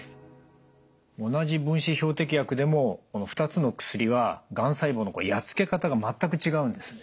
同じ分子標的薬でもこの２つの薬はがん細胞のやっつけ方が全く違うんですね。